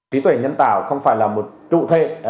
trí tuệ nhân tạo không phải là một trụ thể